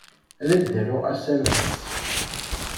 Ad ak-d-aruɣ asamas.